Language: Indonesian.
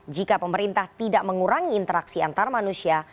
jika pemerintah tidak mengurangi interaksi antar manusia